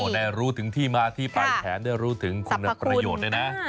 ได้รู้ถึงที่มาที่ไปแถมได้รู้ถึงคุณประโยชน์ด้วยนะ